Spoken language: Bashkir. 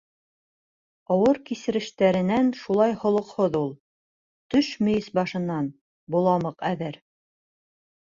Ауыр кисерештәренән шулай холоҡһоҙ ул. Төш мейес башынан, боламыҡ әҙер.